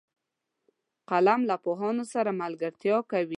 قلم له پوهانو سره ملګرتیا کوي